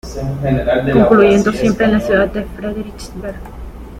Concluyendo siempre en la ciudad de Frederiksberg.